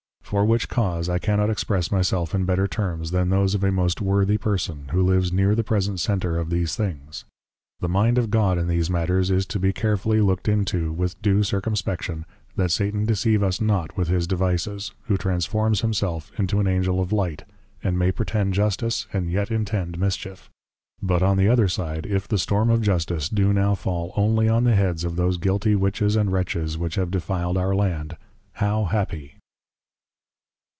For which cause, I cannot express my self in better terms, than those of a most Worthy Person, who lives near the present Center of these things. _The Mind of +God+ in these matters, is to be carefully lookt into, with due Circumspection, that Satan deceive us not with his Devices, who transforms himself into an Angel of Light, and may pretend justice and yet intend mischief._ But on the other side, if the storm of Justice do now fall only on the Heads of those guilty Witches and Wretches which have defiled our Land, _How Happy!